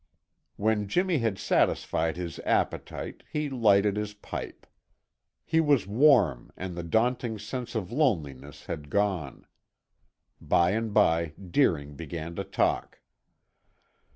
When Jimmy had satisfied his appetite he lighted his pipe. He was warm and the daunting sense of loneliness had gone. By and by Deering began to talk.